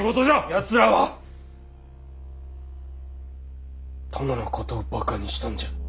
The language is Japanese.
やつらは殿のことをバカにしたんじゃ。